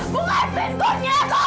bunga pintunya pak